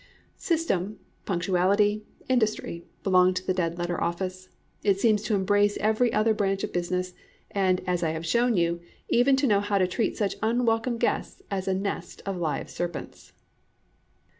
System, punctuality, industry, belong to the Dead letter Office. It seems to embrace every other branch of business, and, as I have shown you, even to know how to treat such unwelcome guests as a nest of live serpents.